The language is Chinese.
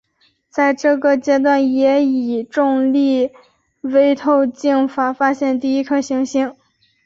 在这个阶段也以重力微透镜法发现了第一颗行星。